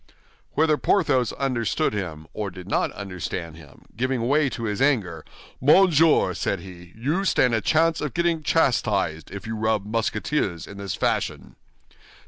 Whether Porthos understood him or did not understand him, giving way to his anger, "Monsieur," said he, "you stand a chance of getting chastised if you rub Musketeers in this fashion."